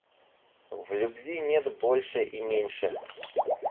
В любви нет больше и меньше.